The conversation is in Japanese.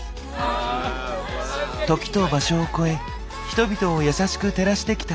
時と場所をこえ人々をやさしく照らしてきた花。